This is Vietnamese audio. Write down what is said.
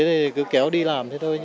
thì cứ kéo đi làm thế thôi